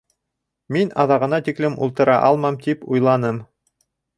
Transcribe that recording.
Мин аҙағына тиклем ултыра алмам тип уйланым